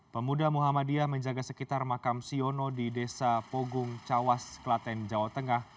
pemuda muhammadiyah menjaga sekitar makam siono di desa pogung cawas klaten jawa tengah